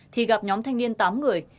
thì gặp nhóm thanh niên tám người